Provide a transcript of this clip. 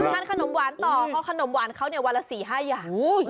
ทานขนมหวานต่อเพราะขนมหวานเขาเนี่ยวันละ๔๕อย่าง